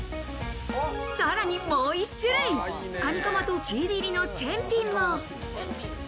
さらにもう１種類、カニカマとチーズ入りのチェンピンも。